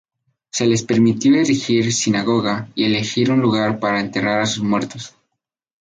Se les permitió erigir sinagoga y elegir un lugar para enterrar a sus muertos.